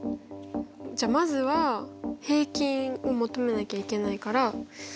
じゃあまずは平均を求めなきゃいけないから。